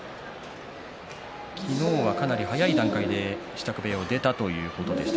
昨日はかなり早い段階で支度部屋を出たということでした。